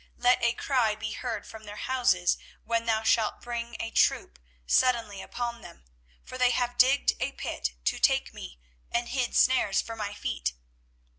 24:018:022 Let a cry be heard from their houses, when thou shalt bring a troop suddenly upon them: for they have digged a pit to take me, and hid snares for my feet.